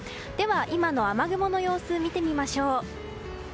今の雨雲の様子を見てみましょう。